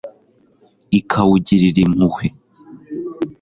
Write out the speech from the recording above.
ikawugirira impuhwe